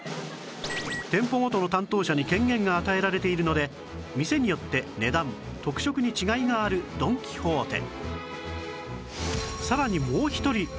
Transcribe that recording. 店舗ごとの担当者に権限が与えられているので店によって値段特色に違いがあるドン・キホーテ